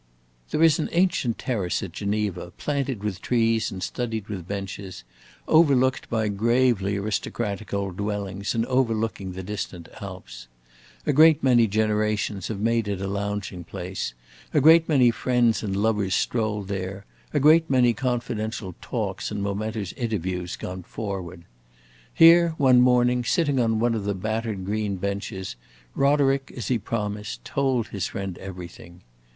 There is an ancient terrace at Geneva, planted with trees and studded with benches, overlooked by gravely aristocratic old dwellings and overlooking the distant Alps. A great many generations have made it a lounging place, a great many friends and lovers strolled there, a great many confidential talks and momentous interviews gone forward. Here, one morning, sitting on one of the battered green benches, Roderick, as he had promised, told his friend everything.